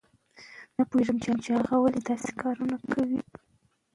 آیا ملکیار هوتک په بلې ژبې هم شعر ویلی دی؟